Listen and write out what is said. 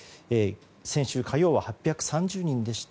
先週火曜は８３０人でした。